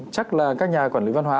chắc là các nhà quản lý văn hóa